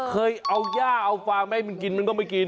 เคยเอาย่าเอาฟางมาให้มันกินมันก็ไม่กิน